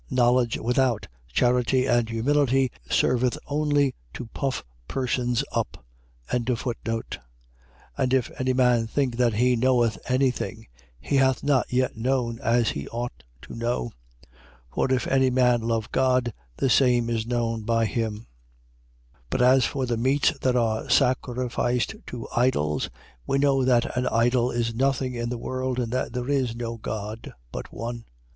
.Knowledge, without charity and humility, serveth only to puff persons up. 8:2. And if any man think that he knoweth any thing, he hath not yet known as he ought to know. 8:3. But if any man love God, the same is known by him. 8:4. But as for the meats that are sacrificed to idols, we know that an idol is nothing in the world and that there is no God but one.